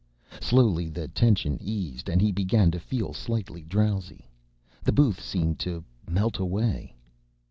Slowly the tension eased, and he began to feel slightly drowsy. The booth seemed to melt away